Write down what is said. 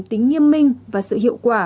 tính nghiêm minh và sự hiệu quả